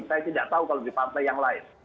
saya tidak tahu kalau di partai yang lain